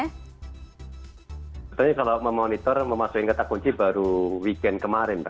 sebetulnya kalau memonitor memasukin kata kunci baru weekend kemarin pak